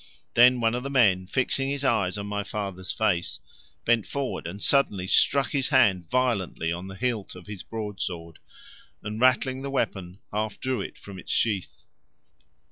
Then one of the men, fixing his eyes on my father's face, bent forward and suddenly struck his hand violently on the hilt of his broadsword and, rattling the weapon, half drew it from its sheath.